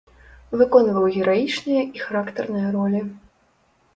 Выконваў гераічныя і характарныя ролі.